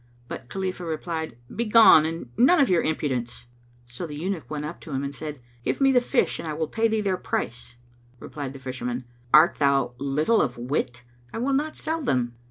But Khalifah replied, "Begone and none of your impudence!" [FN#226] So the eunuch went up to him and said, "Give me the fish and I will pay thee their price." Replied the Fisherman, "Art thou little of wit? I will not sell them."